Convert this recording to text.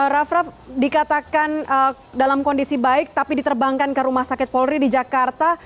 raff raff dikatakan dalam kondisi baik tapi diterbangkan ke rumah sakit polri di jakarta